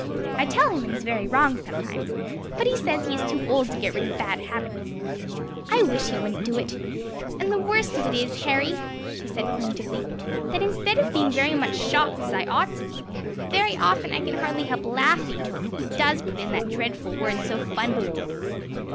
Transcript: I tell him it is very wrong sometimes, but he says he is too old to get rid of bad habits. I wish he wouldn't do it; and the worst of it is, Harry," she said plaintively, "that instead of being very much shocked, as I ought to be, very often I can hardly help laughing, he does put in that dreadful word so funnily."